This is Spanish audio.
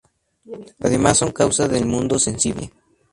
Además son causa del mundo sensible.